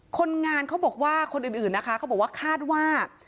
คนงานเขาบอกว่าคนอื่นนะคะเขาบอกว่าคาดว่า